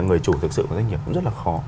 người chủ thực sự của doanh nghiệp cũng rất là khó